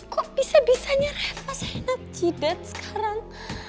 kok bisa bisanya reva saya enak jidat sekarang